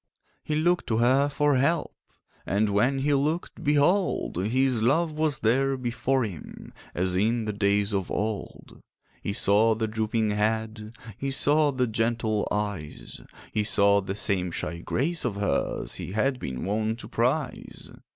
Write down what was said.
He looked to her for help, And when he looked—behold! His love was there before him As in the days of old. He saw the drooping head, He saw the gentle eyes; He saw the same shy grace of hers He had been wont to prize.